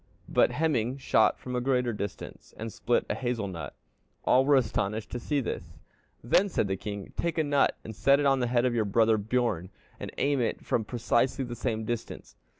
But Hemingr shot from a greater distance, and split a hazel nut. All were astonished to see this. Then said the king, 'Take a nut and set it on the head of your brother Bjorn, and aim at it from precisely the same distance.